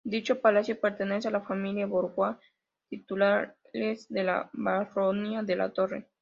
Dicho palacio pertenecía a la familia Borja, titulares de la Baronía de la Torre.